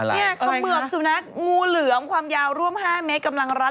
นี่เขมือบสุนัขงูเหลือมความยาวร่วม๕เมตรกำลังรัด